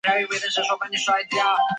德尔斐女先知以前的故事。